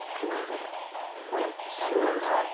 いやそれはですね